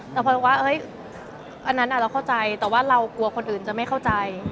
แต่พอยว่าอันนั้นเราเข้าใจแต่ว่าเรากลัวคนอื่นจะไม่เข้าใจ